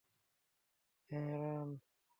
হ্যাঁ, অ্যারন।